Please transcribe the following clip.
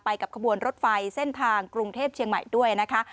กับขบวนรถไฟเส้นทางกรุงเทพเชียงใหม่ด้วยนะคะ